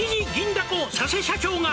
だこ佐瀬社長が」